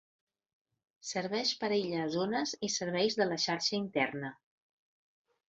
Serveix per aïllar zones i serveis de la xarxa interna.